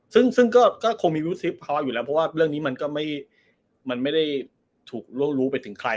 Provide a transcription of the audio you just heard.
ซึ่งซึ่งก็ก็คงมีวุฒิภาวะอยู่แล้วเพราะว่าเรื่องนี้มันก็ไม่มันไม่ได้ถูกร่วงรู้ไปถึงใคร